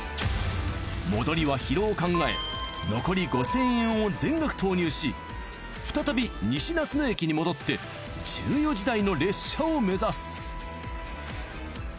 戻りは疲労を考え残り５，０００円を全額投入し再び西那須野駅に戻って１４時台の列車を目指す。